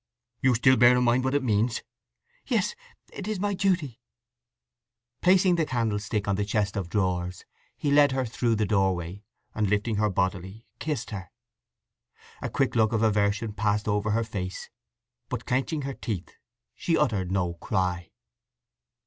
"You still bear in mind what it means?" "Yes. It is my duty!" Placing the candlestick on the chest of drawers he led her through the doorway, and lifting her bodily, kissed her. A quick look of aversion passed over her face, but clenching her teeth she uttered no cry.